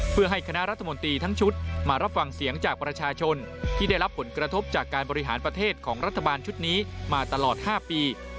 เพื่อให้คณะรัฐมนตรีทั้งชุดมารับฟังเสียงจากประชาชนที่ได้รับผลกระทบจากการบริหารประเทศของรัฐบาลชุดนี้มาตลอด๕ปี